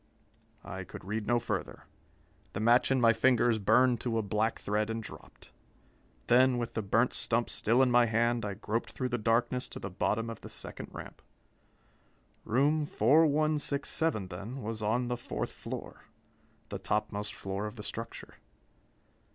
I could read no further. The match in my fingers burned to a black thread and dropped. Then, with the burnt stump still in my hand, I groped through the darkness to the bottom of the second ramp. Room 4167, then, was on the fourth floor the topmost floor of the structure.